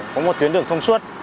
có một tuyến đường thông suốt